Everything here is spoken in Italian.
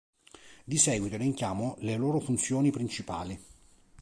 Di seguito elenchiamo le loro funzioni principali.